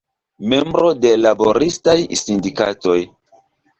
Membro de laboristaj sindikatoj.